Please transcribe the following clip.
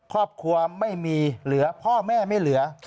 ครอบครัวไม่มีเหลือพ่อแม่ไม่เหลือ